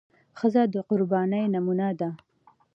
ښځه د قربانۍ نمونه ده.